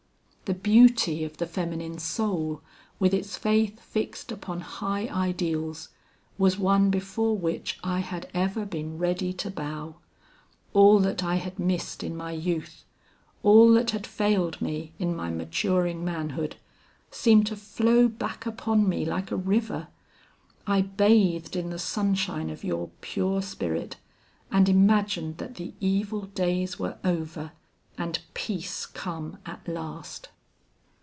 The beauty of the feminine soul with its faith fixed upon high ideals, was one before which I had ever been ready to bow. All that I had missed in my youth, all that had failed me in my maturing manhood, seemed to flow back upon me like a river. I bathed in the sunshine of your pure spirit and imagined that the evil days were over and peace come at last.